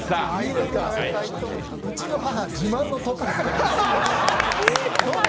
うちの母自慢のトップス。